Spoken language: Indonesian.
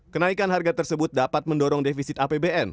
kenaikan harga tersebut dapat mendorong defisit apbn